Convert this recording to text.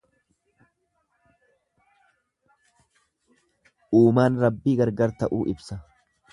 Uumaan Rabbii garaagar ta'uu ibsa.